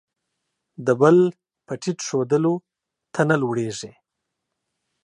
د بل په ټیټ ښودلو، ته نه لوړېږې.